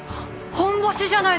ホンボシじゃないですか！